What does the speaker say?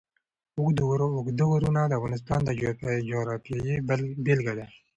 اوږده غرونه د افغانستان د جغرافیې بېلګه ده.